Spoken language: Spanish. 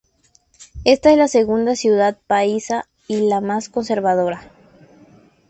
Esta es la segunda ciudad paisa y la más conservadora.